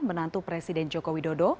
menantu presiden joko widodo